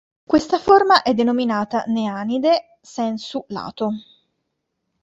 Questa forma è denominata "neanide" "sensu lato".